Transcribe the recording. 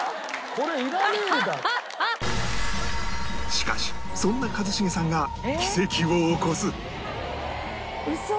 しかしそんな一茂さんが奇跡を起こす